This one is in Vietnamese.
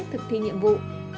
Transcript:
thực thi nhiệm vụ